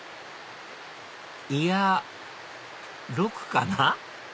いや「禄」かな？